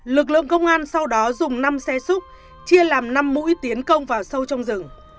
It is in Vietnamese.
lực lượng công an sau đó dùng năm xe xúc chia làm năm mũi tiến công vào sâu trong rừng